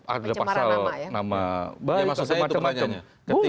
ada pasal nama satu macam macam